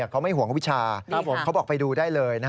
เขาไม่ห่วงวิชาเขาบอกไปดูได้เลย